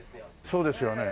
そうですよね。